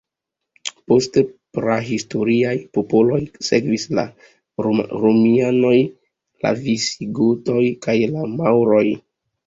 Post prahistoriaj popoloj sekvis la Romianoj, la Visigotoj kaj la Maŭroj.